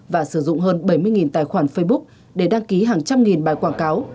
và sử dụng hơn bảy mươi tài khoản facebook để đăng ký hàng trăm nghìn bài quảng cáo